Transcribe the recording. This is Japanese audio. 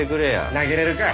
投げれるかい。